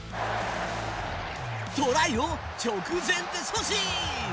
トライを直前で阻止。